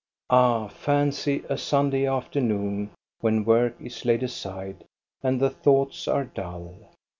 Ah, fancy a Sunday afternoon, when work is laid aside and the thoughts are dull